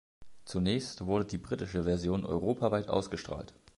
Zunächst wurde die britische Version europaweit ausgestrahlt.